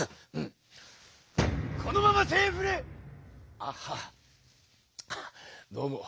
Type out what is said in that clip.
あっどうも。